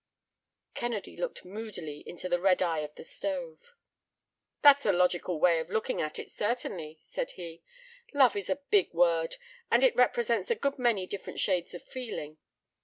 Kennedy looked moodily into the red eye of the stove. "That's a logical way of looking at it, certainly," said he. "Love is a big word, and it represents a good many different shades of feeling.